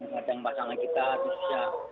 menghadang pasangan kita khususnya